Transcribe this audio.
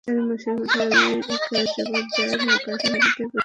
চার মাসের মাথায় আমেরিকা জবাব দেয় মহাকাশে নিজেদের প্রথম স্যাটেলাইট ছুড়ে।